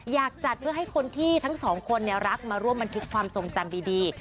อยากจัดเพื่อให้คนที่ทั้งสองคนรักมาร่วมบันทึกความทรงจำดี